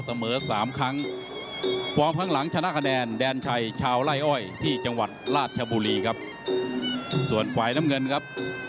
ส่วนคู่ต่อไปของการถ่ายทอดสดโอ้โหไม่ธรรมดานะครับ